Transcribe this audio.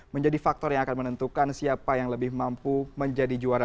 menjadi faktor yang akan menentukan siapa yang lebih mampu menjadi juara